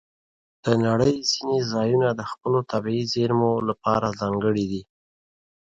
د نړۍ ځینې ځایونه د خپلو طبیعي زیرمو لپاره ځانګړي دي.